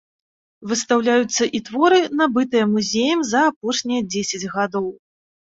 Выстаўляюцца і творы, набытыя музеем за апошнія дзесяць гадоў.